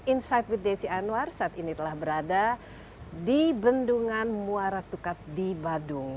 insight with desi anwar saat ini telah berada di bendungan muara tukat di badung